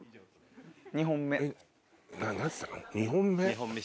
２本目？